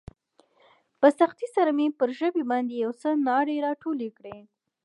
په سختۍ سره مې پر ژبې باندې يو څه ناړې راټولې کړې.